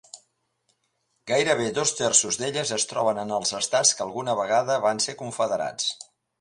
Gairebé dos terços d'elles es troben en els estats que alguna vegada van ser Confederats.